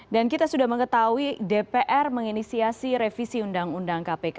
dan kita sudah mengetahui dpr menginisiasi revisi undang undang kpk